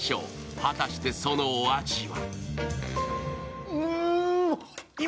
果たしてそのお味は？